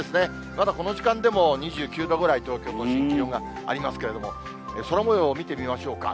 まだこの時間でも２９度ぐらい、東京都心、気温がありますけれども、空もようを見てみましょうか。